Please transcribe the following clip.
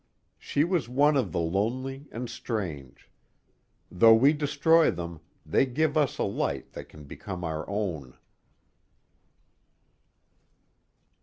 She was one of the lonely and strange. Though we destroy them, they give us a light that can become our own.